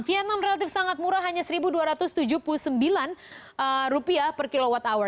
vietnam relatif sangat murah hanya rp satu dua ratus tujuh puluh sembilan per kilowatt hour